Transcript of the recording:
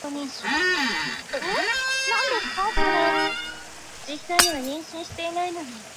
索科特拉龙血树是索科特拉岛上特有的一种龙血树属植物。